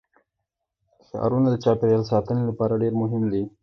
ښارونه د چاپیریال ساتنې لپاره ډېر مهم دي.